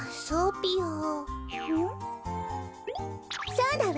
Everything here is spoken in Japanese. そうだわ！